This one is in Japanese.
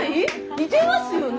似てますよね！